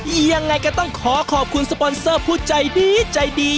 ยังไงก็ต้องขอขอบคุณสปอนเซอร์ผู้ใจดีใจดี